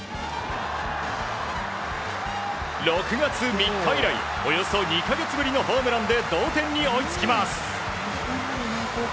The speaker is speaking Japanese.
６月３日以来およそ２か月ぶりのホームランで同点に追いつきます。